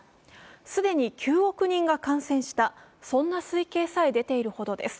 既に９億人が感染した、そんな推計さえ出ているほどです。